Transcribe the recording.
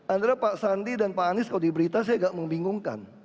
antara pak sandi dan pak anies kalau diberita saya agak membingungkan